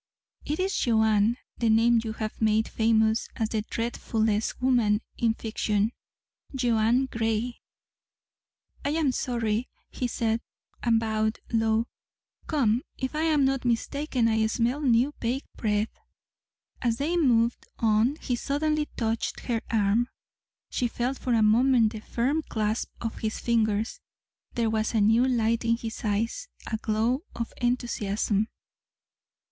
"It is Joanne, the name you have made famous as the dreadfulest woman in fiction. Joanne Gray." "I am sorry," he said, and bowed low. "Come. If I am not mistaken I smell new baked bread." As they moved on he suddenly touched her arm. She felt for a moment the firm clasp of his fingers. There was a new light in his eyes, a glow of enthusiasm.